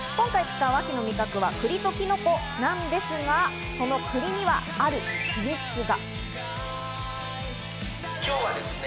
今回使う秋の味覚は栗とキノコなんですが、その栗にはある秘密が。